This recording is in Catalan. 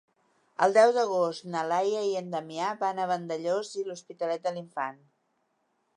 El deu d'agost na Laia i en Damià van a Vandellòs i l'Hospitalet de l'Infant.